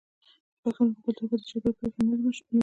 د پښتنو په کلتور کې د جرګې پریکړه نه منل شرم دی.